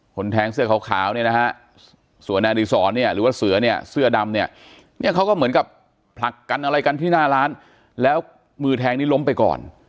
แทงเสื้อขาวเนี่ยนะฮะส่วนนายอดีศรเนี่ยหรือว่าเสือเนี่ยเสื้อดำเนี่ยเนี่ยเขาก็เหมือนกับผลักกันอะไรกันที่หน้าร้านแล้วมือแทงนี้ล้มไปก่อน